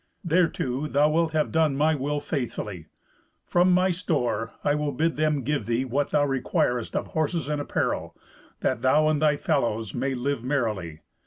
Thereto, thou wilt have done my will faithfully. From my store I will bid them give thee what thou requirest of horses and apparel, that thou and thy fellows may live merrily.